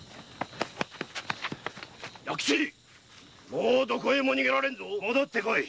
もうどこへも逃げられんぞ戻って来い。